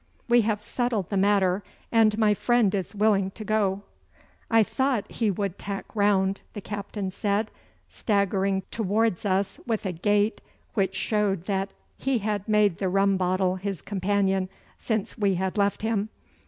We have settled the matter, and my friend is willing to go.' 'I thought he would tack round,' the captain said, staggering towards us with a gait which showed that he had made the rum bottle his companion since we had left him.